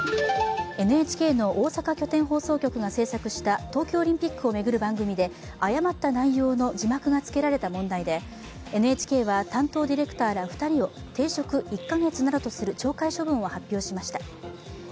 ＮＨＫの大阪拠点放送局が制作した東京オリンピックを巡る番組で、誤った内容の字幕がつけられた問題で、ＮＨＫは、担当ディレクターら２人を停職１カ月などとする懲戒処分を発表しました。